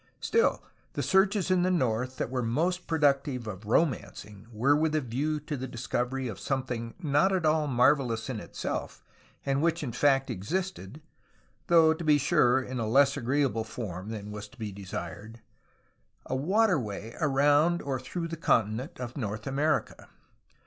Still, the searches in the north that were most productive of romancing were with a view to the dis covery of something not at all marvelous in itself and which in fact existed, — though, to be sure, in less agreeable form than was to be desired, — a waterway around, or through, the continent of North America.